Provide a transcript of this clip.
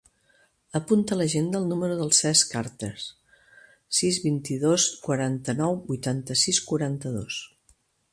Apunta a l'agenda el número del Cesc Artes: sis, vint-i-dos, quaranta-nou, vuitanta-sis, quaranta-dos.